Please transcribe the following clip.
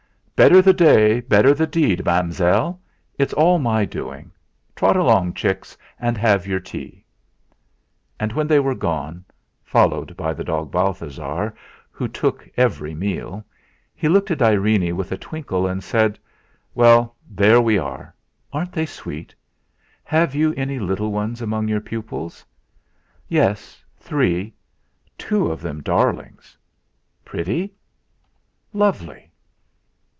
"Better the day, better the deed, Mam'zelle. It's all my doing. Trot along, chicks, and have your tea." And, when they were gone, followed by the dog Balthasar, who took every meal, he looked at Irene with a twinkle and said: "Well, there we are! Aren't they sweet? Have you any little ones among your pupils?" "Yes, three two of them darlings." "Pretty?" "Lovely!"